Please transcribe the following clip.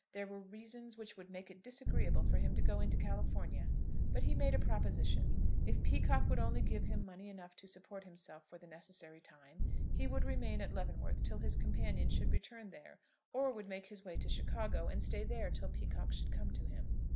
There were reasons which would make it disagreeable for him to go into California. But he made a proposition. If Peacocke would only give him money enough to support himself for the necessary time, he would remain at Leavenworth till his companion should return there, or would make his way to Chicago, and stay there till Peacocke should come to him.